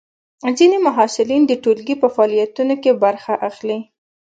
ځینې محصلین د ټولګي په فعالیتونو کې برخه اخلي.